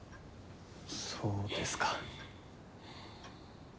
そうですか。